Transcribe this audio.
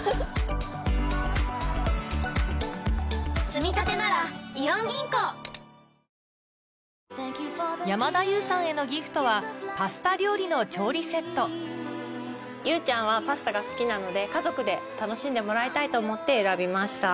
つみたてならイオン銀行！山田優さんへのギフトはパスタ料理の調理セット優ちゃんはパスタが好きなので家族で楽しんでもらいたいと思って選びました。